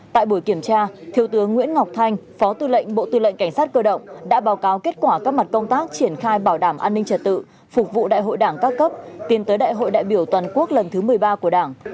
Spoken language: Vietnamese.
tại buổi kiểm tra thiếu tướng nguyễn ngọc thanh phó tư lệnh bộ tư lệnh cảnh sát cơ động đã báo cáo kết quả các mặt công tác triển khai bảo đảm an ninh trật tự phục vụ đại hội đảng các cấp tiến tới đại hội đại biểu toàn quốc lần thứ một mươi ba của đảng